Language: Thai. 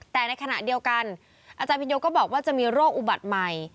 แต่ในขณะเดียวกันอาจารย์พินโยก็บอกว่าจะมีโรคอุบัติใหม่